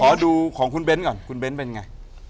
ขอดูของคุณเบนก่อนคุณเบนเป็นยังไง